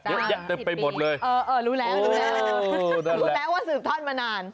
เยอะแยะเต็มไปหมดเลยเออเออรู้แล้วรู้แล้วรู้แล้วว่าสืบทอดมานาน